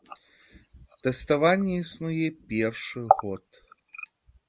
Тэставанне існуе першы год.